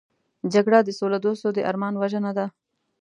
جګړه د سولهدوستو د ارمان وژنه ده